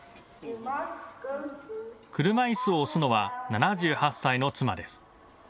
車いすを押すのは７８歳の妻です。